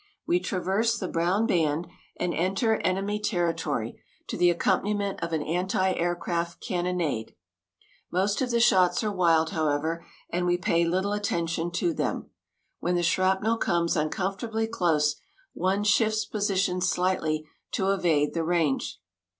We traverse the brown band and enter enemy territory to the accompaniment of an antiaircraft cannonade. Most of the shots are wild, however, and we pay little attention to them. When the shrapnel comes uncomfortably close, one shifts position slightly to evade the range.